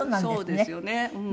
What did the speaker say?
そうですよね。